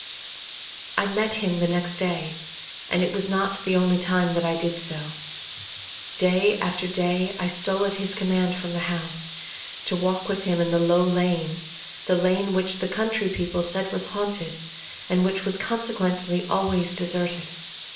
I met him the next day, and it was not the only time that I did so. Day after day t stole at his command from the house, to walk with him in the Low Lane — the lane which the country people said was haunted, and which was consequently always deserted.